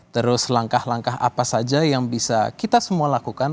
terus langkah langkah apa saja yang bisa kita semua lakukan